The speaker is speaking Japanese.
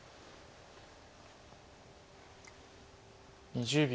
２０秒。